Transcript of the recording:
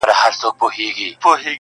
ځانته پخپله اوس زنځیر او زولنې لټوم,